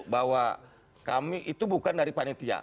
bahwa kami itu bukan dari panitia